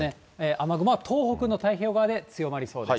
雨雲は東北の太平洋側で強まりそうです。